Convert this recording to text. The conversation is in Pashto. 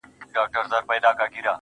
راهب په کليسا کي مردار ښه دی، مندر نسته